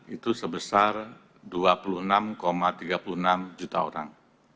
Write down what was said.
itu sebesar dua puluh enam tiga puluh enam juta orang